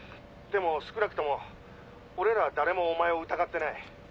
でも少なくとも俺らは誰もお前を疑ってない。